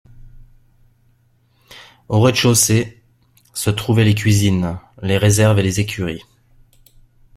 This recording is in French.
Au rez-de-chaussée se trouvaient les cuisines, les réserves et les écuries.